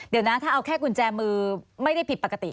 เดี๋ยวนะถ้าเอาแค่กุญแจมือ